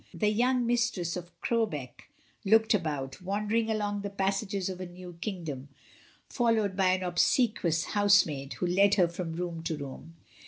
The young mistress of Crowbeck looked about, wandering along the passages of her new kingdom followed by an obsequious housemaid, who led her from room to room.